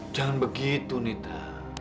jangan begitu nita